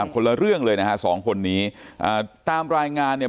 คนละเรื่องเลยนะฮะสองคนนี้ตามรายงานเนี่ย